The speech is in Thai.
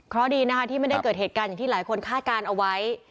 เพราะดีนะคะที่ไม่ได้เกิดเหตุการณ์อย่างที่หลายคนคาดการณ์เอาไว้